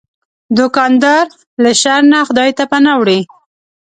دوکاندار له شر نه خدای ته پناه وړي.